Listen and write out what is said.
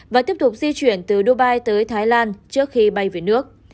và tiếp tục di chuyển từ dubai tới thái lan trước khi bay về nước